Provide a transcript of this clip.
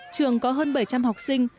trường có hơn bảy trăm linh học sinh